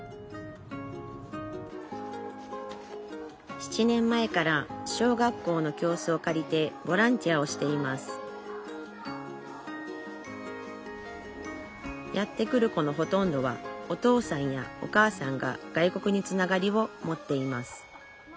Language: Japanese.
７年前から小学校の教室を借りてボランティアをしていますやって来る子のほとんどはお父さんやお母さんが外国につながりを持っています